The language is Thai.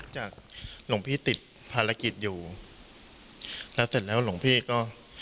จากหลวงพี่ติดภารกิจอยู่แล้วเสร็จแล้วหลวงพี่ก็